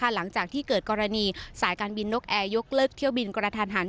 หลังจากที่เกิดกรณีสายการบินนกแอร์ยกเลิกเที่ยวบินกระทันหัน